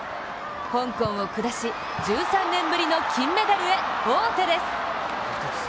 香港を下し、１３年ぶりの金メダルへ王手です。